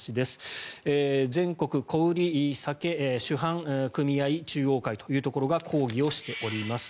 全国小売酒販組合中央会というところが抗議をしております。